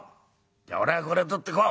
「じゃあ俺はこれを取ってこう」。